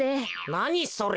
なにそれ。